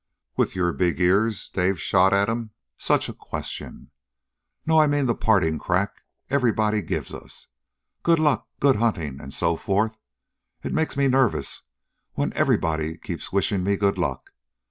"With your big ears?" Dave shot at him. "Such a question! No. I mean the parting crack everybody gives us. Good luck, good hunting, and so forth. It makes me nervous when everybody keeps wishing me good luck.